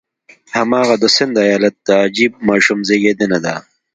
هماغه د سند ایالت د عجیب ماشوم زېږېدنه ده.